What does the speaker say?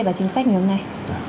và chính sách ngày hôm nay